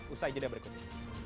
usai jadilah berikutnya